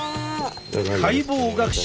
解剖学者